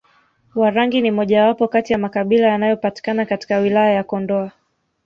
Warangi ni mojawapo kati ya makabila yanayopatikana katika wilaya ya Kondoa